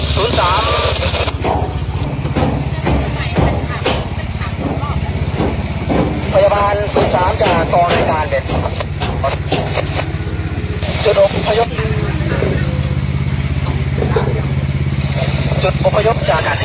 สวัสดีครับ